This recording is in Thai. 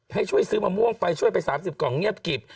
ให้ช่วยซื้อมะม่วงไปช่วยไป๓๐กล่องเงียบกิบ